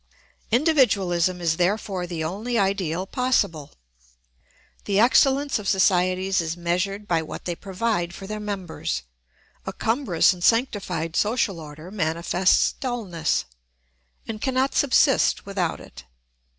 Individualism is therefore the only ideal possible. The excellence of societies is measured by what they provide for their members. A cumbrous and sanctified social order manifests dulness, and cannot subsist without it.